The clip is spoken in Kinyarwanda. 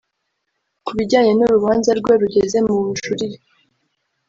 Ku bijyanye n’urubanza rwe rugeze mu bujurire